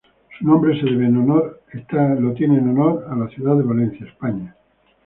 Su nombre se debe en honor a la ciudad de Valencia, España.